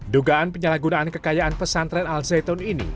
dugaan penyalahgunaan kekayaan pesantren al zaitun ini